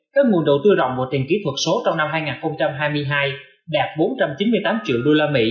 các nguồn đầu tư rộng và tiền kỹ thuật số trong năm hai nghìn hai mươi hai đạt bốn trăm chín mươi tám triệu usd